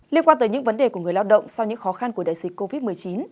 liên quan tới những vấn đề của người lao động sau những khó khăn của đại dịch covid một mươi chín